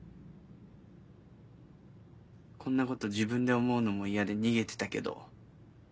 こんなこと自分で思うのも嫌で逃げてたけど。